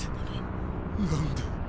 何で。